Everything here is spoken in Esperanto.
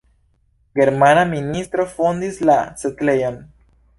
Germanaj ministo fondis la setlejon.